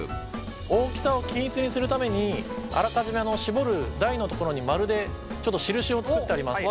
大きさを均一にするためにあらかじめ絞る台のところに丸でちょっと印を作ってあります。